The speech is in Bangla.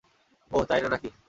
ওহ, তাই না কি?